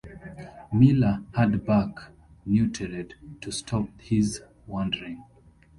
Miller had Buck neutered to stop his wandering.